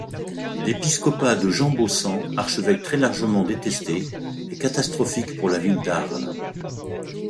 L'épiscopat de Jean Baussan, archevêque très largement détesté, est catastrophique pour la ville d’Arles.